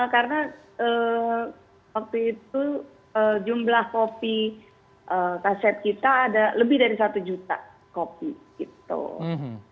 karena waktu itu jumlah kopi kaset kita ada lebih dari satu juta kopi gitu